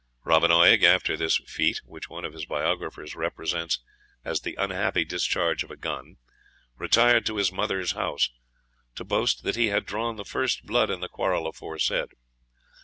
Robin Oig, after this feat which one of his biographers represents as the unhappy discharge of a gun retired to his mother's house, to boast that he had drawn the first blood in the quarrel aforesaid.